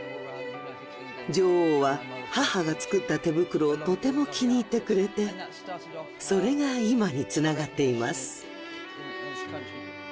女王は母が作った手袋をとても気に入ってくれてそれが今につながっています。